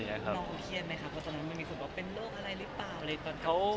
น้องเครียดไหมครับเต้อนั้นเป็นโลกอะไรรึเปล่า